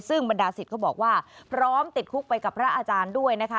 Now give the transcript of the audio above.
ซึ่งบรรดาศิษย์ก็บอกว่าพร้อมติดคุกไปกับพระอาจารย์ด้วยนะคะ